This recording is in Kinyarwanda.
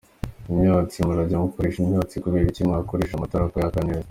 Imyotsi ? Murajya gukoresha imyotsi kubera iki mwakoresheje amatara ko yaka neza?".